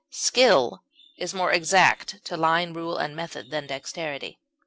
Skill is more exact to line, rule, and method than dexterity.